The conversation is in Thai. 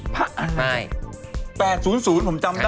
พะอันมั้ย๘๐๐ผมจำได้